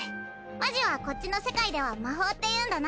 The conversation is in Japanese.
マジはこっちの世界では魔法っていうんだな！